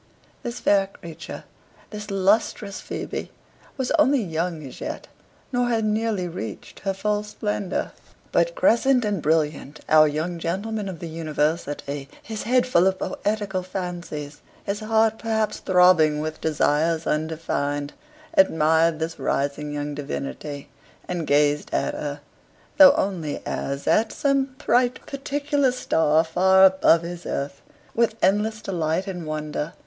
This fair creature, this lustrous Phoebe, was only young as yet, nor had nearly reached her full splendor: but crescent and brilliant, our young gentleman of the University, his head full of poetical fancies, his heart perhaps throbbing with desires undefined, admired this rising young divinity; and gazed at her (though only as at some "bright particular star," far above his earth) with endless delight and wonder.